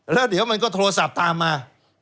แล้วเดี๋ยวมันก็โทรศัพท์ตามมา